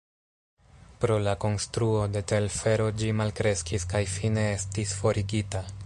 Pro la konstruo de telfero ĝi malkreskis kaj fine estis forigita.